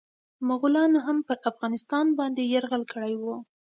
مغولانو هم پرافغانستان باندي يرغل کړی و.